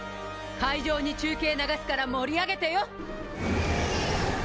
会場に中継流すから盛り上げてよ！